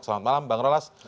selamat malam bang rolas